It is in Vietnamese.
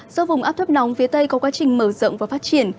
do vùng áp thấp nóng phía tây có quá trình mở rộng và phát triển